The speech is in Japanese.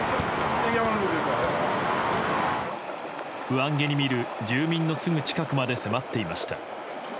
不安げに見る住民のすぐ近くまで迫っていました。